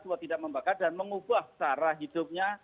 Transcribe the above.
tua tidak membakar dan mengubah cara hidupnya